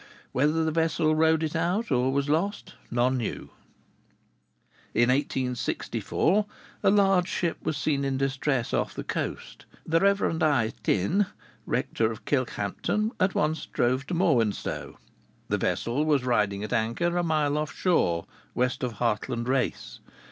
Whether the vessel rode it out, or was lost, none knew. In 1864 a large ship was seen in distress off the coast. The Rev. A. Thynne, rector of Kilkhampton, at once drove to Morwenstow. The vessel was riding at anchor a mile off shore, west of Hartland Race.